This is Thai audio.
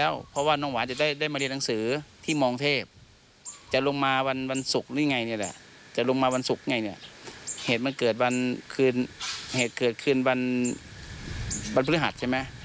วันศุกร์นี่ไงนี่แหละจะลงมาวันศุกร์ไงเนี่ยเหตุมันเกิดวันคืนเหตุเกิดขึ้นวันวันพฤหัสใช่ไหม